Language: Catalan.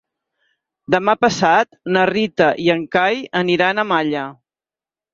Demà passat na Rita i en Cai aniran a Malla.